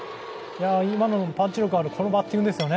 今のパンチ力ある、このバッティングですよね。